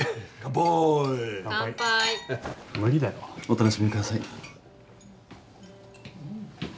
お楽しみください。